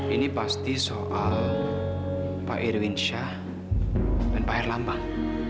ini pasti soal pak irwin shah dan pak herlambang